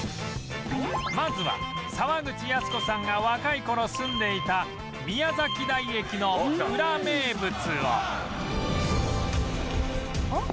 まずは沢口靖子さんが若い頃住んでいた宮崎台駅のウラ名物をあっ。